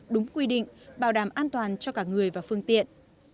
đúng quy định bảo đảm an toàn cho cả người và phương tiện